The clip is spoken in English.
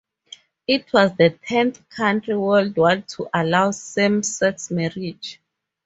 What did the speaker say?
It was the tenth country worldwide to allow same-sex marriage.